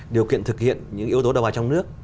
điều kiện thực hiện những yếu tố đầu vào trong nước